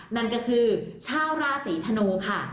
นั่นก็คือชาวราศีธนูค่ะ